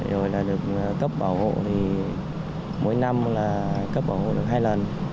rồi là được cấp bảo hộ thì mỗi năm là cấp bảo hộ được hai lần